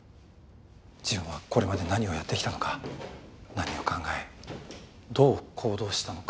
自分はこれまで何をやってきたのか何を考えどう行動したのか。